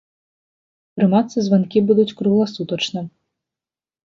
Прымацца званкі будуць кругласутачна.